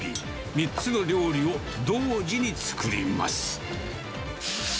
３つの料理を同時に作ります。